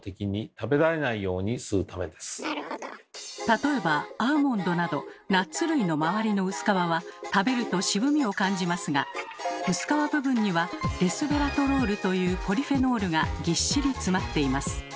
例えばアーモンドなどナッツ類の周りの薄皮は食べると渋味を感じますが薄皮部分には「レスベラトロール」というポリフェノールがぎっしり詰まっています。